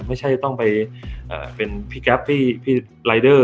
ไม่ใช่จะต้องไปเป็นพี่แก๊ปพี่รายเดอร์